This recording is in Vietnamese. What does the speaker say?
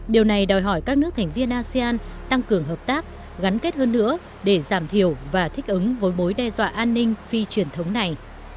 điều này đòi hỏi các nước thành viên asean tăng cường hợp tác gắn kết hơn nữa để giảm thiểu và thích ứng với mối đe dọa an ninh phi truyền thống này